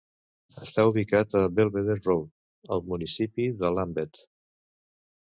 Està ubicat a Belvedere Road, al municipi de Lambeth.